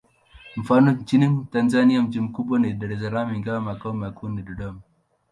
Mfano: nchini Tanzania mji mkubwa ni Dar es Salaam, ingawa makao makuu ni Dodoma.